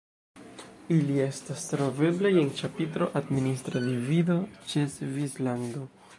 Ili estas troveblaj en ĉapitro "Administra divido" ĉe "Svislando".